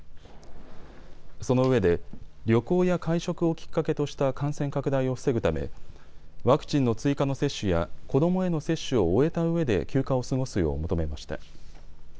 そのうえで旅行や会食をきっかけとした感染拡大を防ぐためワクチンの追加の接種や子どもへの接種を終えたうえで休暇を過ごすよう求めました。